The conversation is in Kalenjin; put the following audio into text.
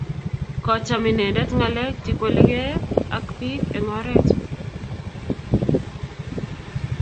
koicham inendet ngalek che kwele ge ak bik eng oret